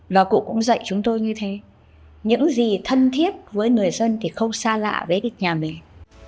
và cụ cũng dạy chúng tôi như thế những gì thân thiết với người dân thì không xa lạ với nhà mình